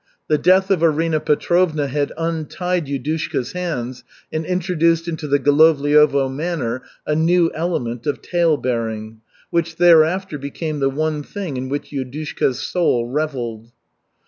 The death of Arina Petrovna had untied Yudushka's hands and introduced into the Golovliovo manor a new element of tale bearing, which thereafter became the one thing in which Yudushka's soul reveled.